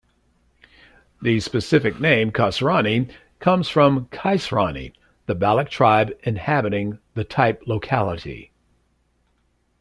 The specific name "kasrani" comes from Qaisrani, the Baloch tribe inhabiting the type locality.